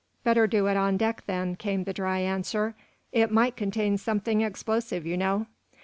"Better do it on deck, then," came the dry answer. "It might contain something explosive, you know."